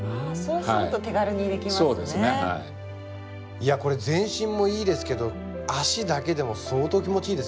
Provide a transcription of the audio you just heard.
いやこれ全身もいいですけど足だけでも相当気持ちいいですよ。